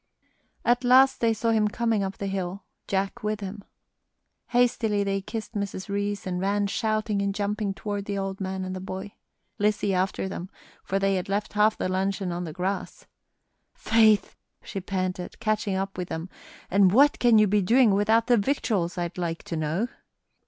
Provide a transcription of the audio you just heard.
At last they saw him coming up the hill, Jack with him. Hastily they kissed Mrs. Reece, and ran shouting and jumping toward the old man and the boy, Lizzie after them, for they had left half the luncheon on the grass. "Faith!" she panted, catching up with them, "and what can you be doing without the victuals, I'd like to know?"